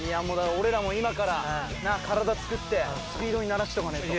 俺らも今からな体作ってスピードに慣らしておかないと。